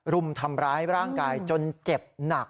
รุมทำร้ายร่างกายจนเจ็บหนัก